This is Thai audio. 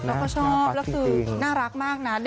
เราก็ชอบน่ารักมากนะ